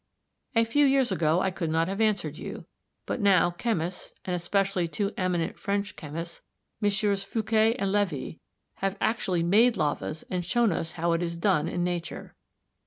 A few years ago I could not have answered you, but now chemists, and especially two eminent French chemists, MM. Fouqué and Levy, have actually made lavas and shown us how it is done in Nature.